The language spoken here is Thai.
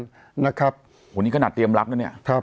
เพราะฉะนั้นประชาธิปไตยเนี่ยคือการยอมรับความเห็นที่แตกต่าง